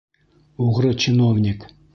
Уғры чиновник